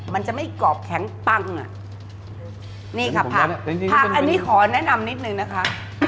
มันจะไม่กรอบแข็งปังอ่ะนี่ค่ะผักอันนี้ขอแนะนำนิดนึงนะคะ